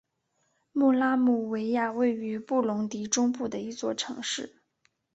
穆拉姆维亚位于布隆迪中部的一座城市。